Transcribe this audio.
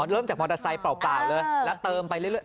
เริ่มจากมอเตอร์ไซค์เปล่าเลยแล้วเติมไปเรื่อย